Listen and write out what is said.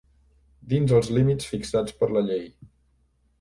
Dins els límits fixats per la llei.